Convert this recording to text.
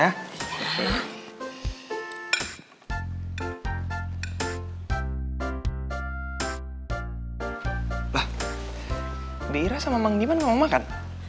wah bi rasanya bang diman gak mau makan